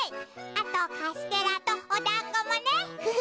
あとカステラとおだんごもね。